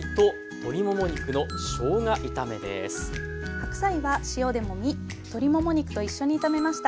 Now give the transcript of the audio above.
白菜は塩でもみ鶏もも肉と一緒に炒めました。